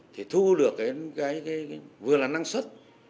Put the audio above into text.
thì thu được cái vừa là năng suất